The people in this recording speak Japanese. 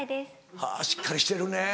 はぁしっかりしてるね。